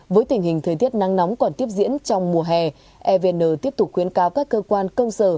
với tình hình thời tiết nắng nóng còn tiếp diễn trong mùa hè evn tiếp tục khuyến cáo các cơ quan công sở